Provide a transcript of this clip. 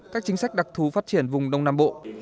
các chính sách đặc thù phát triển vùng đông nam bộ